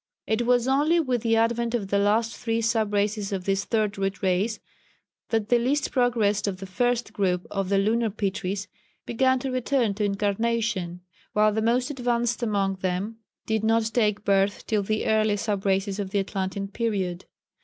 It was only with the advent of the last three sub races of this Third Root Race that the least progressed of the first group of the Lunar Pitris began to return to incarnation, while the most advanced among them did not take birth till the early sub races of the Atlantean period.